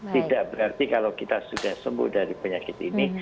tidak berarti kalau kita sudah sembuh dari penyakit ini